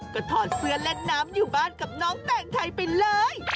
ก็ถอดเสื้อเล่นน้ำอยู่บ้านกับน้องแต่งไทยไปเลย